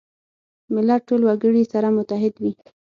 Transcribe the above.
ملت ټول وګړي سره متحد وي.